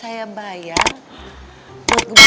ya saya bayar untuk bayar untuk bayar